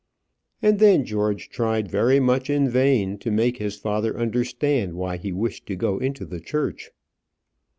And then George tried very much in vain to make his father understand why he wished to go into the church.